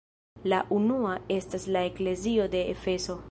La unua estas la eklezio de Efeso.